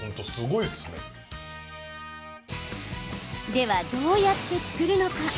では、どうやって作るのか。